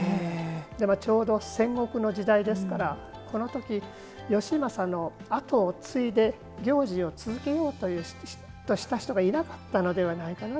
ちょうど戦国の時代ですからその時、義政の後を継いで行事を続けようとした人がいなかったのではないかな。